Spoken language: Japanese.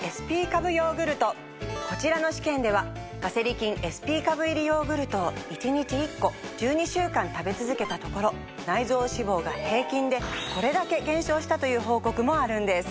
こちらの試験では「ガセリ菌ＳＰ株」入りヨーグルトを１日１個１２週間食べ続けたところ内臓脂肪が平均でこれだけ減少したという報告もあるんです。